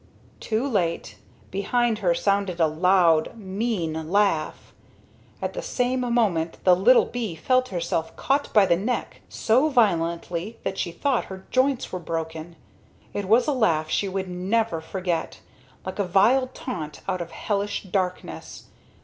Too late! Behind her sounded a loud, mean laugh. At the same moment the little bee felt herself caught by the neck, so violently that she thought her joints were broken. It was a laugh she would never forget, like a vile taunt out of hellish darkness.